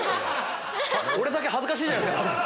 俺だけ恥ずかしいじゃないっすか。